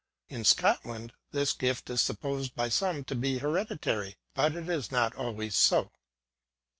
In Scotland, this gift is supposed by some to be hereditary, but it is not always so.